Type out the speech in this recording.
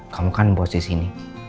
kamu kan bos disini